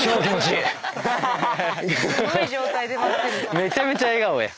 めちゃめちゃ笑顔やん。